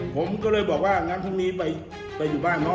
ผมก็เลยบอกว่างั้นพรุ่งนี้ไปอยู่บ้านเขา